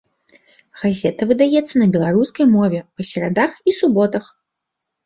Газета выдаецца на беларускай мове па серадах і суботах.